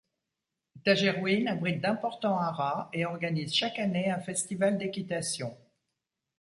Tajerouine abrite d'importants haras et organise chaque année un festival d'équitation.